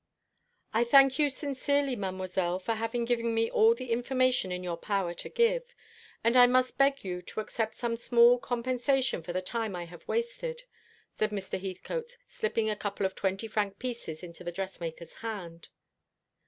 "I thank you sincerely, Mademoiselle, for having given me all the information in your power to give, and I must beg you to accept some small compensation for the time I have wasted," said Mr. Heathcote, slipping a couple of twenty franc pieces into the dressmaker's hand.